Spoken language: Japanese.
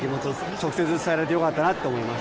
直接伝えられてよかったなと思います。